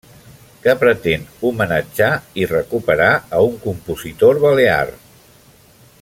Que pretén homenatjar i recuperar a un compositor Balear.